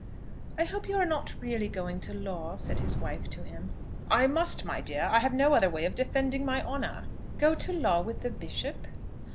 "I hope you are not really going to law," said his wife to him. "I must, my dear. I have no other way of defending my honour." "Go to law with the Bishop?"